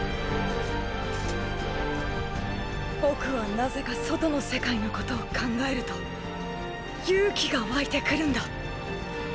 僕はなぜか外の世界のことを考えると勇気が湧いてくるんだ。